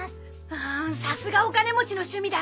うんさすがお金持ちの趣味だ。